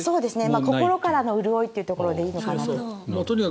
心からの潤いというところでいいのかなと。